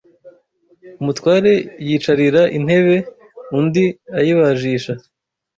Umutware yicarira intebe undi ayibajisha